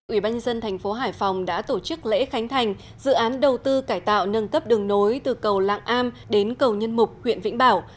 ủy ban nhân dân thành phố hải phòng đã tổ chức lễ khánh thành dự án đầu tư cải tạo nâng cấp đường nối từ cầu lạng am đến cầu nhân mục huyện vĩnh bảo